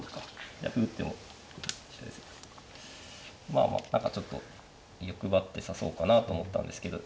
まあまあ何かちょっと欲張って指そうかなと思ったんですけど。